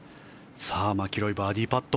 マキロイバーディーパット。